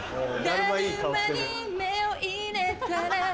だるまに目を入れたら